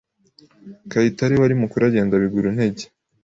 Kayitare wari mukuru agenda biguruntege.